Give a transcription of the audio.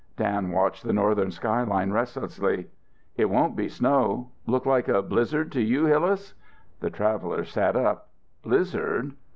Dan watched the northern sky line restlessly. "It won't be snow. Look like a blizzard to you, Hillas?" The traveller sat up. "Blizzard?"